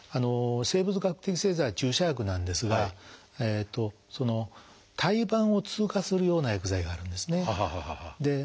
生物学的製剤は注射薬なんですが胎盤を通過するような薬剤があるんですね。